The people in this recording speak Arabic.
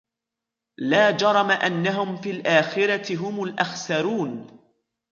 لَا جَرَمَ أَنَّهُمْ فِي الْآخِرَةِ هُمُ الْأَخْسَرُونَ